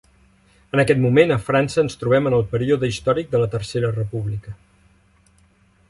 En aquest moment a França ens trobem en el període històric de la Tercera República.